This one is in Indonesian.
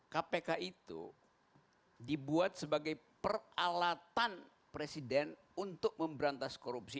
kpk itu dibuat sebagai peralatan presiden untuk memberantas korupsi